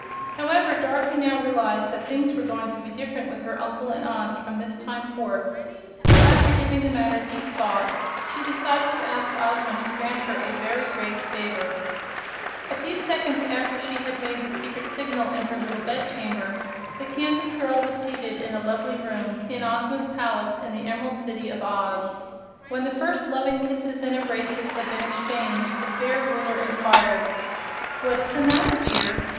However, Dorothy now realized that things were going to be different with her uncle and aunt from this time forth, so after giving the matter deep thought she decided to ask Ozma to grant her a very great favor. A few seconds after she had made the secret signal in her little bedchamber, the Kansas girl was seated in a lovely room in Ozma's palace in the Emerald City of Oz. When the first loving kisses and embraces had been exchanged, the fair Ruler inquired: "What is the matter, dear?